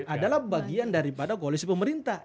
adalah bagian daripada koalisi pemerintah